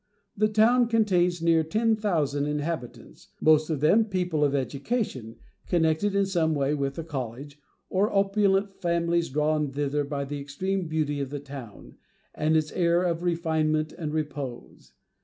The town contains near ten thousand inhabitants, most of them people of education, connected in some way with the College; or opulent families drawn thither by the extreme beauty of the town, and its air of refinement and repose.